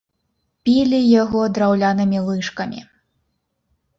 Пілі яго драўлянымі лыжкамі.